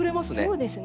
そうですね。